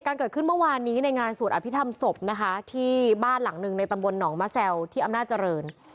เกิดขึ้นเมื่อวานนี้ในงานสวดอภิษฐรรมศพนะคะที่บ้านหลังหนึ่งในตำบลหนองมะแซวที่อำนาจเจริญ